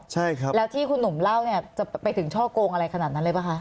ใช่ครับแล้วที่คุณหนุ่มเล่าเนี่ยจะไปถึงช่อโกงอะไรขนาดนั้นเลยป่ะคะ